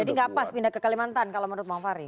jadi gak pas pindah ke kalimantan kalau menurut pak om fahri